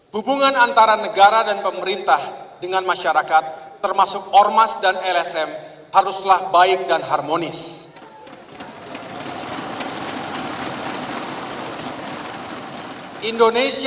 hubungan antara negara dan pemerintah dengan masyarakat termasuk ormas dan lsm haruslah baik dan harmonis